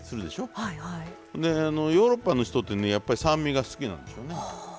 んでヨーロッパの人ってねやっぱり酸味が好きなんでしょうね。